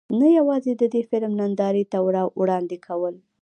نۀ يواځې د دې فلم نندارې ته وړاندې کول